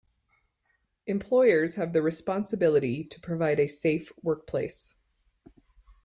Employers have the responsibility to provide a safe workplace.